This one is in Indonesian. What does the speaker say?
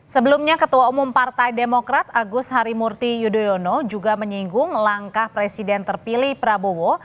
sebelumnya ketua umum partai demokrat agus harimurti yudhoyono juga menyinggung langkah presiden terpilih prabowo